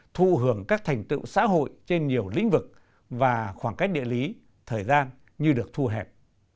thụ hưởng các thành tựu xã hội trên nhiều lĩnh vực và khoảng cách địa lý thời gian như được thu hẹp